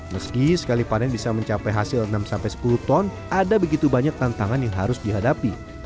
meski sekali panen bisa mencapai hasil enam sepuluh ton ada begitu banyak tantangan yang harus dihadapi